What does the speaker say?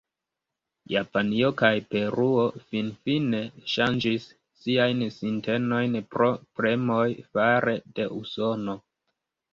Japanio kaj Peruo finfine ŝanĝis siajn sintenojn pro premoj fare de Usono.